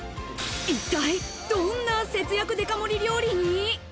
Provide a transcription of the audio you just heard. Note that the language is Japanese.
一体どんな節約デカ盛り料理に？